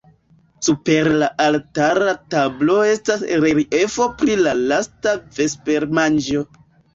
Super la altara tablo estas reliefo pri la Lasta vespermanĝo.